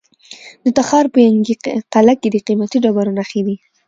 د تخار په ینګي قلعه کې د قیمتي ډبرو نښې دي.